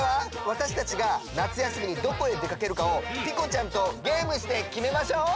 わたしたちが夏休みにどこへでかけるかをピコちゃんとゲームしてきめましょう！